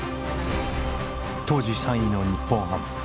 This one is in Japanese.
当時３位の日本ハム。